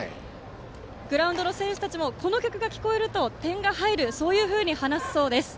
グラウンドの選手たちもこの曲が聞こえると、点が入るそういうふうに話すそうです。